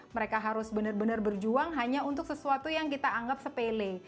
mereka harus benar benar berjuang hanya untuk sesuatu yang kita anggap sepele